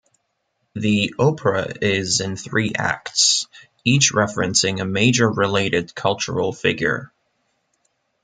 The opera is in three acts, each referencing a major related cultural figure.